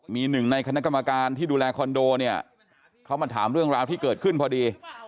มีหนึ่งในคณะกรรมการที่ดูแลคอนโดเนี่ยเขามาถามเรื่องราวที่เกิดขึ้นพอดี